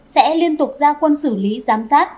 sẽ liên tục ra quân xử lý giám sát